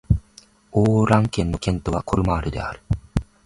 オー＝ラン県の県都はコルマールである